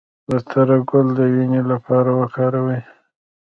د تره ګل د وینې لپاره وکاروئ